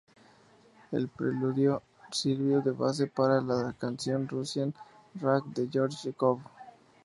El preludio sirvió de base para la canción "Russian Rag" de George L. Cobb.